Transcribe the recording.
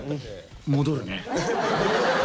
戻るね。